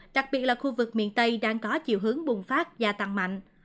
đặc biệt là khu vực miền tây đang có chiều hướng bùng phát gia tăng mạnh